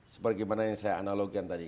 sebagaimana yang saya analogikan tadi